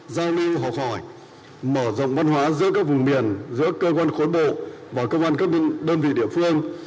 giao lưu học hỏi mở rộng văn hóa giữa các vùng miền giữa cơ quan khối bộ và công an các đơn vị địa phương